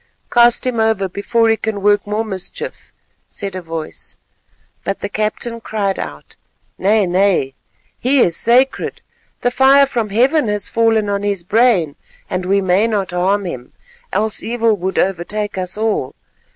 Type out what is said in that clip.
"Cast him over before he can work more mischief," said a voice. But the captain cried out, "Nay, nay, he is sacred; the fire from Heaven has fallen on his brain, and we may not harm him, else evil would overtake us all.